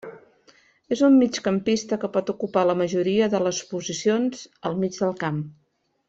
És un migcampista que pot ocupar la majoria de les posicions al mig del camp.